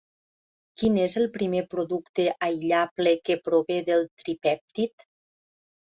Quin és el primer producte aïllable que prové del tripèptid?